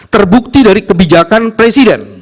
terbukti dari kebijakan presiden